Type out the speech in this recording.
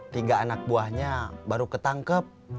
tiga anak buahnya baru ketangkep